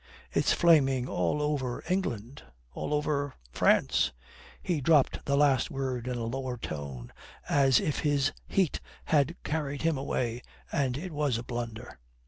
It's flaming all over England, all over France," he dropped the last word in a lower tone, as if his heat had carried him away and it was a blunder.